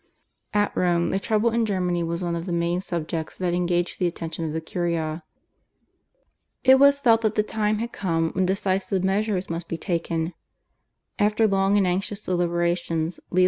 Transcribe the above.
At Rome the trouble in Germany was one of the main subjects that engaged the attention of the Curia. It was felt that the time had come when decisive measures must be taken. After long and anxious deliberations Leo X.